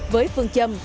với phương châm